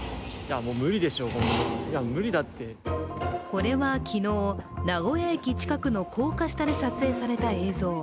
これは昨日、名古屋駅近くの高架下で撮影された映像。